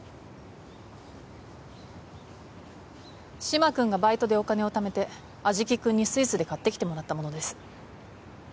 嶋君がバイトでお金をためて安食君にスイスで買ってきてもらったものです。